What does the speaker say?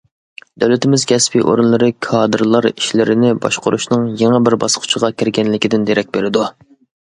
دۆلىتىمىز كەسپىي ئورۇنلىرى كادىرلار ئىشلىرىنى باشقۇرۇشىنىڭ يېڭى بىر باسقۇچقا كىرگەنلىكىدىن دېرەك بېرىدۇ.